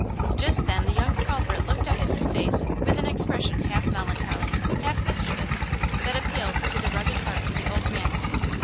Just then the young culprit looked up in his face with an expression half melancholy, half mischievous, that appealed to the rugged heart of the old man.